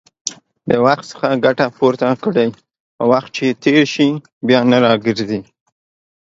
د وخت څخه ګټه پورته کړئ، وخت چې تېر شي، بيا نه راګرځي